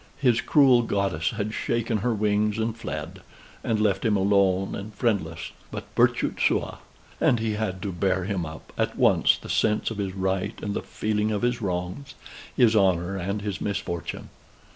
His cruel goddess had shaken her wings and fled: and left him alone and friendless, but virtute sua. And he had to bear him up, at once the sense of his right and the feeling of his wrongs, his honor and his misfortune.